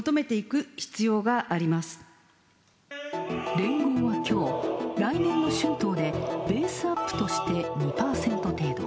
連合は、きょう、来年の春闘でベースアップとして２％程度。